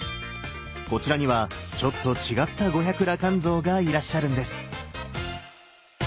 こちらにはちょっと違った五百羅漢像がいらっしゃるんです！